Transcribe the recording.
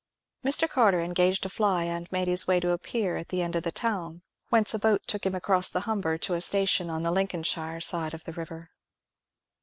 Mr. Carter engaged a fly, and made his way to a pier at the end of the town, whence a boat took him across the Humber to a station on the Lincolnshire side of the river.